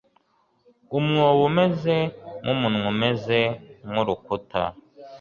Umwobo umeze nkumunwa umeze nkurukuta